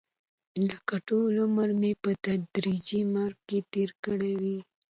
لکه ټول عمر یې په تدریجي مرګ کې تېر کړی وي.